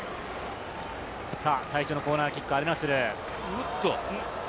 最初のコーナーキック、アルナスル。